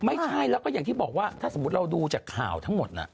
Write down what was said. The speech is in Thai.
ไม่ใช่แล้วก็อย่างที่บอกว่าถ้าสมมุติเราดูจากข่าวทั้งหมด